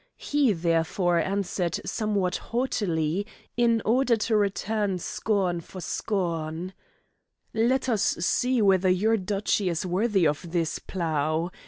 He, therefore, answered somewhat haughtily, in order to return scorn for scorn: "Let us see whether your duchy is worthy of this plough?